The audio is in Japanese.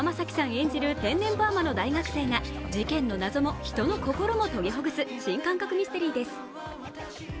演じる天然パーマの大学生が事件の謎も人の心も解きほぐす新感覚ミステリーです。